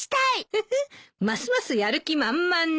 フフッますますやる気満々ね。